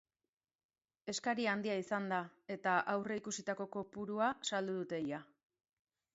Eskari handia izan da eta aurreikusitako kopurua saldu dute ia.